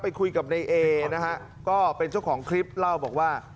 คุยกับในเอนะฮะก็เป็นเจ้าของคลิปเล่าบอกว่า